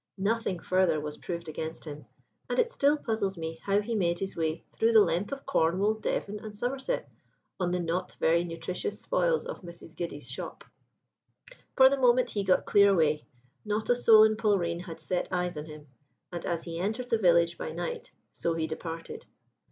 Nothing further was proved against him, and it still puzzles me how he made his way through the length of Cornwall, Devon, and Somerset, on the not very nutritious spoils of Mrs. Giddy's shop. "For the moment he got clear away. Not a soul in Polreen had set eyes on him, and as he entered the village by night so he departed.